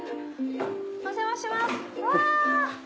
お邪魔しますうわ。